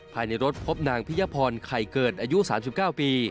ภายในรถพบนางพิยพรไข่เกิดอายุ๓๙ปี